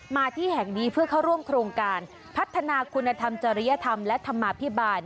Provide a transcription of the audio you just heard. มาที่แห่งนี้เพื่อเข้าร่วมโครงการพัฒนาคุณธรรมจริยธรรมและธรรมาภิบาล